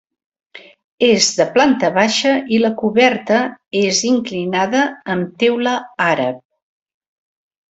És de planta baixa i la coberta és inclinada amb teula àrab.